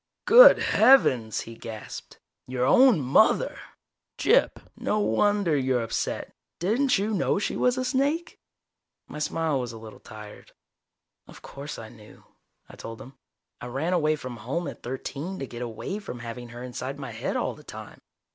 "Good heavens," he gasped. "Your own mother! Gyp, no wonder you're upset. Didn't you know she was a snake?" My smile was a little tired. "Of course I knew," I told him. "I ran away from home at thirteen to get away from having her inside my head all the time.